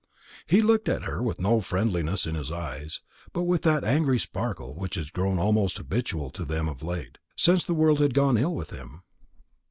He looked at her with no friendliness in his eyes, but with that angry sparkle which had grown almost habitual to them of late, since the world had gone ill with him.